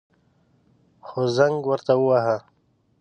خو زنگ ورته وواهه.